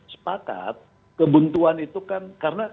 sepakat kebuntuan itu kan